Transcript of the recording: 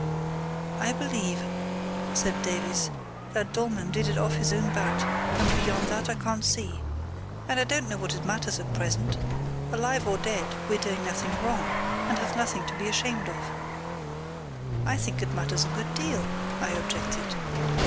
"I believe," said Davies, "that Dollmann did it off his own bat, and beyond that I can't see. And I don't know that it matters at present. Alive or dead we're doing nothing wrong, and have nothing to be ashamed of." "I think it matters a good deal," I objected.